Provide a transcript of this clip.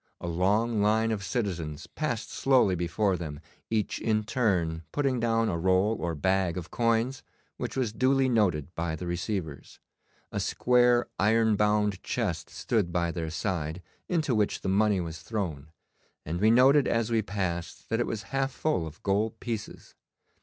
A long line of citizens passed slowly before them, each in turn putting down a roll or bag of coins which was duly noted by the receivers. A square iron bound chest stood by their side, into which the money was thrown, and we noted as we passed that it was half full of gold pieces.